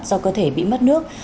do cơ thể bị mất nước